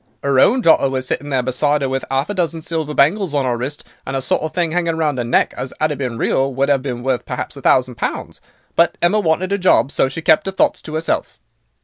"'Er own daughter was sitting there beside 'er with 'alf a dozen silver bangles on 'er wrist, and a sort of thing 'anging around 'er neck, as, 'ad it been real, would 'ave been worth perhaps a thousand pounds. But Emma wanted a job, so she kept 'er thoughts to 'erself.